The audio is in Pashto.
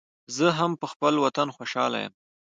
زه هم پخپل وطن خوشحال یم